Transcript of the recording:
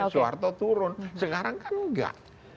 soeharto turun sekarang kan enggak